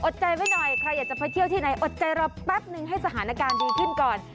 อดใจมาหน่อยใครอยากจะไปที่ไหนอดใจรอเป็บหนึ่งให้สถานการณ์ดีขึ้นก่อน